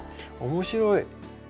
面白い。